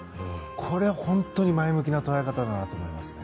これは本当に前向きな捉え方だなと思いますね。